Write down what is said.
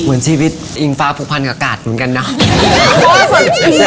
เหมือนชีวิตอิงฟ้าผูกพันกับกาศเหมือนกันนะ